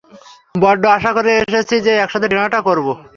বড্ড আশা করে এসেছি যে একসাথে ডিনারটা করব!